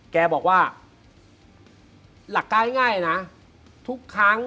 แกบอกว่า